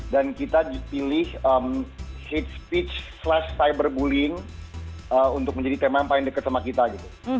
dan kita pilih hate speech slash cyberbullying untuk menjadi tema yang paling dekat sama kita gitu